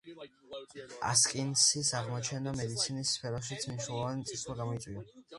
ასკინსის აღმოჩენამ მედიცინის სფეროშიც მნიშვნელოვანი წინსვლა გამოიწვია.